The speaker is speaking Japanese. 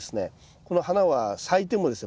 この花は咲いてもですね